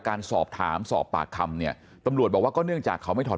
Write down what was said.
การสอบถามสอบปากคำเนี่ยตำรวจบอกว่าก็เนื่องจากเขาไม่ถอด